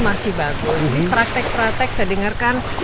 masih bagus praktek praktek saya dengarkan